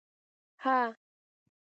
_هه!